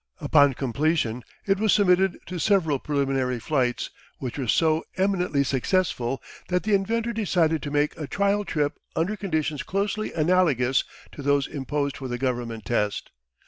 Upon completion it was submitted to several preliminary flights, which were so eminently successful that the inventor decided to make a trial trip under conditions closely analogous to those imposed for the Government test.